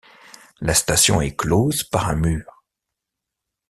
La station est close par un mur.